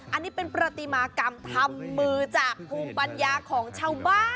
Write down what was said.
อันนี้เป็นประติมากรรมทำมือจากภูมิปัญญาของชาวบ้าน